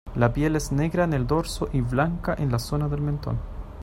La piel, es negra en el dorso y blanca en la zona del mentón.